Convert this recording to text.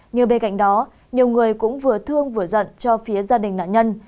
như bên cạnh đó nhiều người cũng vừa thương vừa giận cho phía gia đình nạn nhân